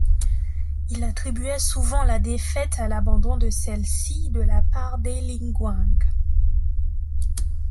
Il attribuait souvent la défaite à l’abandon de celle-ci de la part d’Hailingwang.